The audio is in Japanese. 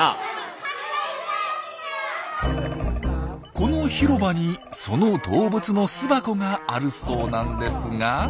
この広場にその動物の巣箱があるそうなんですが。